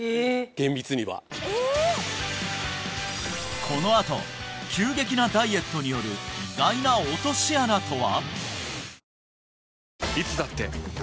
厳密にはこのあと急激なダイエットによる意外な落とし穴とは？